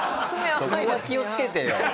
そこは気をつけてよ。